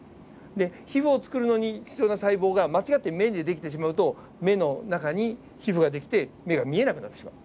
で皮膚を作るのに必要な細胞が間違って目に出来てしまうと目の中に皮膚が出来て目が見えなくなってしまう。